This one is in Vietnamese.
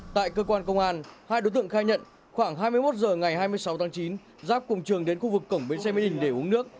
tại cơ quan công an hai đối tượng khai nhận khoảng hai mươi một h ngày hai mươi sáu tháng chín giáp cùng trường đến khu vực cổng bến xe mỹ đình để uống nước